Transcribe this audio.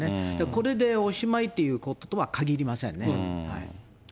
これでおしまいっていうこととはかぎりませんね。